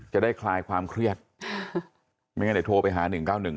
คลายความเครียดไม่งั้นเดี๋ยวโทรไปหา๑๙๑